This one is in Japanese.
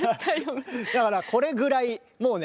だからこれぐらいもうね